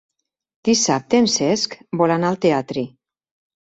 Dissabte en Cesc vol anar al teatre.